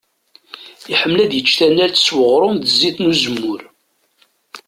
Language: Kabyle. Iḥemmel ad icc tanalt s uɣrum d zzit n uzemmur.